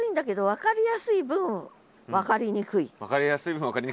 「分かりやすい分分かりにくい」。